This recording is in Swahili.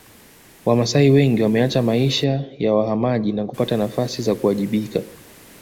Wamasai wengi wameacha maisha ya wahamaji na kupata nafasi za kuwajibika